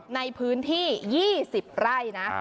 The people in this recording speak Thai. ในพื้นที่๒๐ไร่นะ